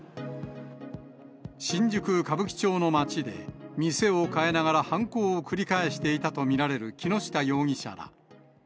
新宿・歌舞伎町の街で、店を変えながら犯行を繰り返していたと見られる木下容疑者ら。